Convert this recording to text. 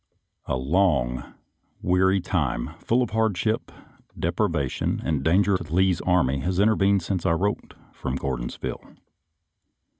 A LONG, weary time, full of hardship, depriva tion, and danger to Lee's army has intervened since I wrote from Gordonsville.